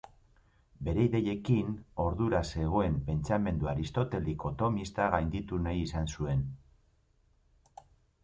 Bere ideiekin, ordura zegoen pentsamendu Aristoteliko-Tomista gainditu nahi izan zuen.